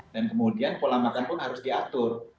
dan kemudian pola makan pun harus diatur